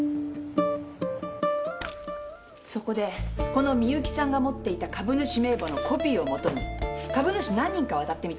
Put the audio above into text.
そこでこの美由紀さんが持っていた株主名簿のコピーをもとに株主何人かを当たってみた。